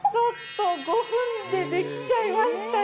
５分でできちゃいましたよ。